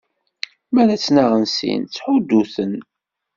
Mi ara ttnaɣen sin, ttḥuddu-ten!